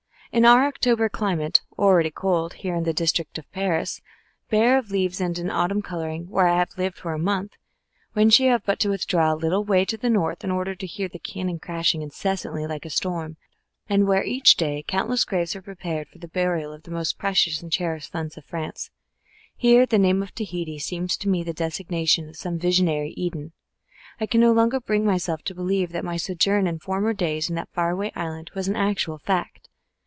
In our October climate, already cold, here in this district of Paris, bare of leaves and in autumn colouring, where I have lived for a month, whence you have but to withdraw a little way to the north in order to hear the cannon crashing incessantly like a storm, and where each day countless graves are prepared for the burial of the most precious and cherished sons of France here the name of Tahiti seems to me the designation of some visionary Eden. I can no longer bring myself to believe that my sojourn in former days in that far away island was an actual fact.